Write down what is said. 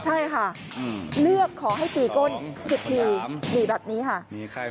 ใช่ค่ะเลือกขอให้ตีก้น๑๐ทีหนีแบบนี้ค่ะ